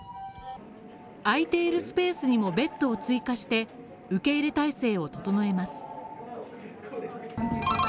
空いているスペースにもベッドを追加して、受け入れ態勢を整えます。